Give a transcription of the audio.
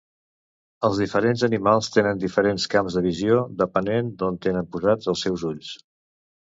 Els diferents animals tenen diferents camps de visió, depenent d'on tenen posats els seus ulls.